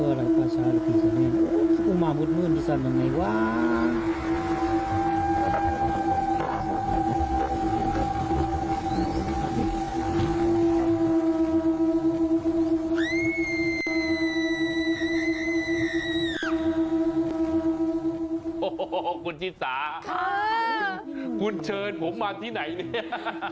โอ้โหคุณชิสาคุณเชิญผมมาที่ไหนเนี่ย